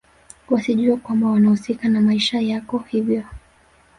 wasijue kwamba wanahusika na maisha yako hivyo